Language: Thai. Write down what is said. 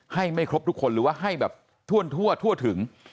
ให้ไม่ครบทุกคนหรือว่าให้แบบทั่วถึง